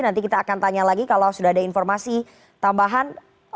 nanti kita akan tanya lagi kalau sudah ada informasi tambahan